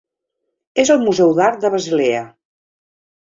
És al Museu d'Art de Basilea.